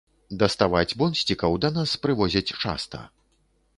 Даставаць бонсцікаў да нас прывозяць часта.